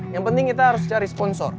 yang penting kita harus cari sponsor